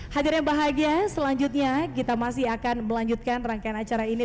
hadir yang bahagia selanjutnya kita masih akan melanjutkan rangkaian acara ini